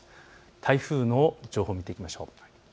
台風の情報を見ていきましょう。